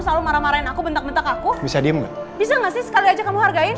selalu marah marahin aku bentak bentak aku bisa diem bisa nggak sih sekali aja kamu hargain